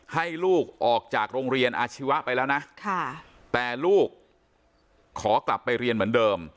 ให้ลูกออกจากโรงเรียนอาชีวะไปแล้วนะแต่ลูกขอกลับไปเรียนเหมือนเดิม